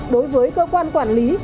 đối với cơ quan quản lý